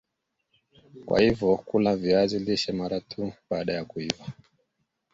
Kwa hivyo kula viazi lishe mara tu baada ya kuiva